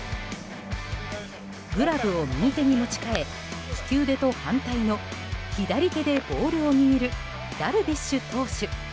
グラブを右手に持ち替え利き腕と反対の左手でボールを握るダルビッシュ投手。